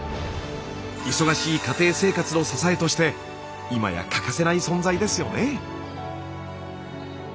忙しい家庭生活の支えとして今や欠かせない存在ですよね。